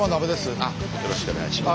よろしくお願いします。